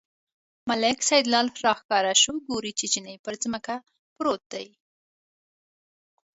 ملک سیدلال راښکاره شو، ګوري چې چیني پر ځمکه پروت دی.